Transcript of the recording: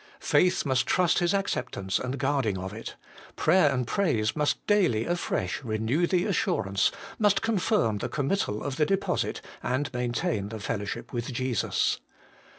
Faith must trust His acceptance and guarding of it ; prayer and praise must daily afresh renew the assurance, must confirm the committal of the deposit, and maintain the fellowship with Jesus.